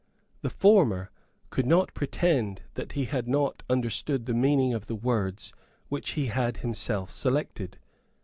The former could not pretend that he had not understood the meaning of the words which he had himself selected.